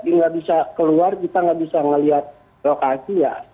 kita gak bisa keluar kita gak bisa ngeliat lokasi ya